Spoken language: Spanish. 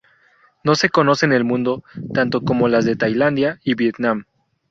No se conoce en el mundo tanto como las de Tailandia y Vietnam.